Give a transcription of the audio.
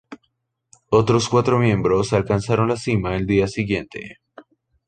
Otros cuatro miembros alcanzaron la cima al día siguiente.